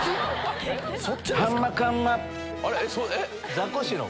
ザコシの方？